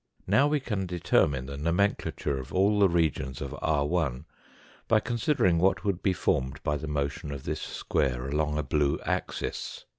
Now we can determine the nomenclature of all the regions of r\ by considering what would be formed by the motion of this square along a blue axis.